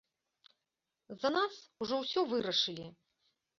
За нас ужо ўсё вырашылі.